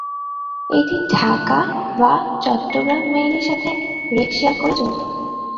এটি ঢাকা/চট্টগ্রাম মেইলের সাথে rake share করে চলতো।